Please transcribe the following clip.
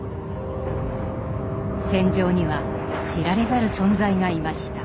戦場には知られざる存在がいました。